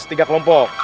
as tiga kelompok